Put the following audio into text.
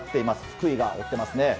福井が追っていますね。